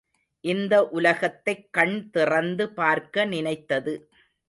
இந்த உலகத்தைக் கண் திறந்து பார்க்க நினைத்தது.